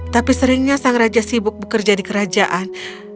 tapi seringnya sang raja sibuk bekerja di kerajaan